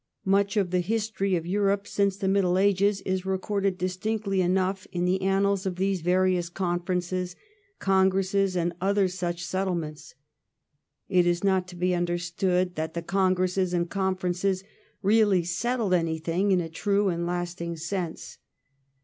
Much of the history of Europe since the Middle Ages is recorded distinctly enough in the annals of these various conferences, congresses, and other such settlements. It is not to be under stood that the congresses and conferences really settled anything in a true and lasting sense.